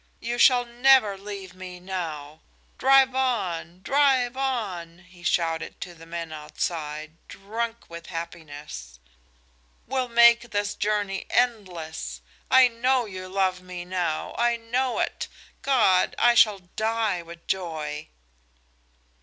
You shall never leave me now! Drive on! Drive on!" he shouted to the men outside, drunk with happiness. "We'll make this journey endless. I know you love me now I know it! God, I shall die with joy!"